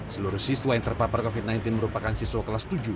seluruh siswa yang terpapar covid sembilan belas merupakan siswa kelas tujuh